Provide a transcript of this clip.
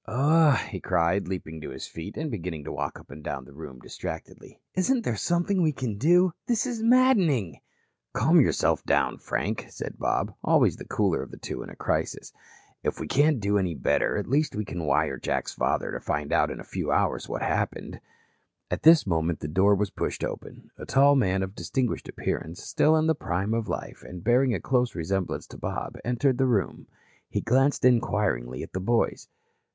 "Oh," he cried, leaping to his feet and beginning to walk up and down the room distractedly, "isn't there something we can do? This is maddening." "Calm down yourself, Frank," said Bob, always the cooler of the two in a crisis. "If we can't do any better, at least we can wire to Jack's father and find out in a few hours what happened." At this moment the door was pushed open. A tall man of distinguished appearance, still in the prime of life, and bearing a close resemblance to Bob, entered the room. He glanced inquiringly at the boys.